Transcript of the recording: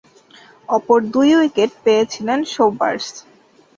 অপর দুই উইকেট পেয়েছিলেন সোবার্স।